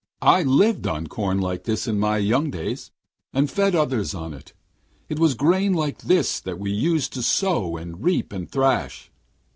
I lived on corn like this in my young days, and fed others on it. It was grain like this that we used to sow and reap and thrash.'